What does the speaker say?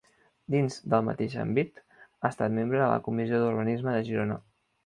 Dins del mateix àmbit, ha estat membre de la Comissió d'Urbanisme de Girona.